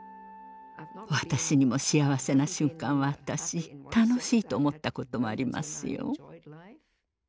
私にも幸せな瞬間はあったし楽しいと思ったこともありますよ。